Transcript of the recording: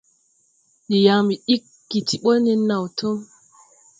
Ndi yaŋ ɓi ɗiggi ti ɓɔ nen naw tum.